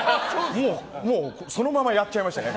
もうそのままやっちゃいましたね。